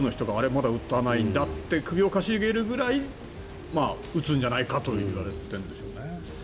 まだ撃たないんだと首をかしげるぐらい撃つんじゃないかといわれているんでしょうね。